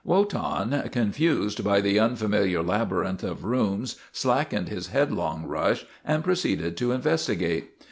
Wotan, confused by the unfamiliar labyrinth of rooms, slackened his headlong rush and proceeded to investigate.